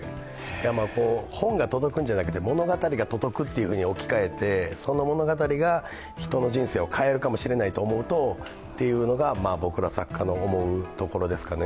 本が届くんじゃなくて物語が届くと置き換えて、その物語が人の人生を変えるかもしれないと思うと、というのが僕ら作家の思うところですかね。